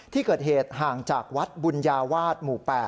ที่เกิดเหตุห่างจากวัดบุญญาวาสหมู่๘